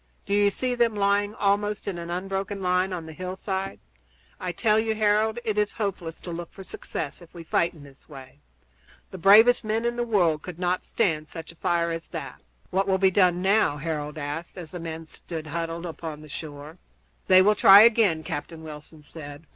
Do you see them lying almost in an unbroken line on the hillside? I tell you, Harold, it is hopeless to look for success if we fight in this way. The bravest men in the world could not stand such a fire as that." "What will be done now?" Harold asked as the men stood huddled upon the shore. "They will try again," Captain Wilson said.